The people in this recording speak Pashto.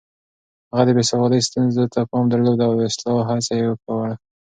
هغه د بې سوادۍ ستونزو ته پام درلود او د اصلاح هڅه يې وکړه.